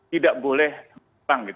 tidak boleh ditentang